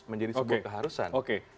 menjadi sebuah keharusan